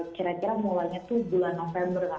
kira kira mulanya itu bulan november lah